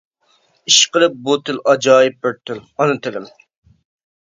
ئىشقىلىپ بۇ تىل ئاجايىپ بىر تىل. ئانا تىلىم.